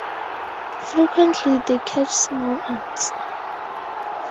Frequently they catch small ants.